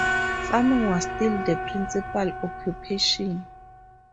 Farming was still the principal occupation.